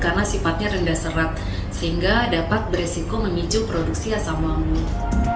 karena sifatnya rendah serat sehingga dapat berisiko mengicu produksi asam lambung